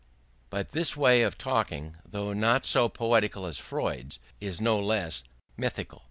But this way of talking, though not so poetical as Freud's, is no less mythical.